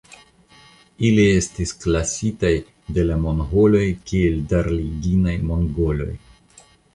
Ili estis klasitaj de la Mongoloj kiel Darliginaj Mongoloj.